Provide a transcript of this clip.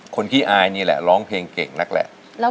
ขี้อายนี่แหละร้องเพลงเก่งนักแหละ